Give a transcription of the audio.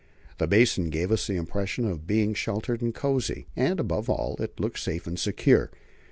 The basin gave us the impression of being sheltered and cosy, and, above all, it looked safe and secure.